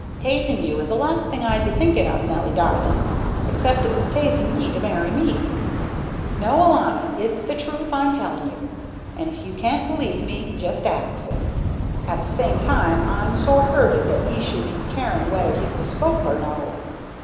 "T'asing you is the last thing I'd be thinking of, Nelly darlin', except it was t'asing ye to marry me. No, alanna, it's the truth I'm telling you, and if you can't believe me just ax him. At the same time, I'm sore hurted that ye should be caring whether he's bespoke or no."